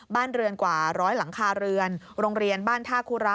บ้านเรือนกว่าร้อยหลังคาเรือนโรงเรียนบ้านท่าคุระ